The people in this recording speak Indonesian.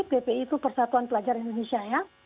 ppi itu persatuan pelajar indonesia ya